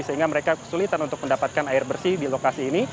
sehingga mereka kesulitan untuk mendapatkan air bersih di lokasi ini